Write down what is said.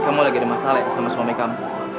kamu lagi ada masalah sama suami kamu